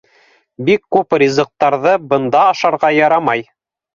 Бик күп ризыҡтарҙы бында ашарға ярамай.